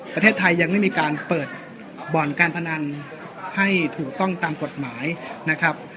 ประเทศไทยยังไม่มีการเปิดบ่อนการพนันให้ถูกต้องตามกฎหมายนะครับ